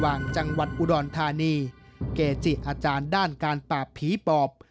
จังหวัดอุดรธานีเกจิอาจารย์ด้านการปราบผีปอบ